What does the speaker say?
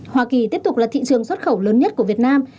hoa kỳ tiếp tục là thị trường xuất khẩu lớn nhất của việt nam